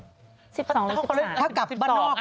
๑๒หรือ๑๔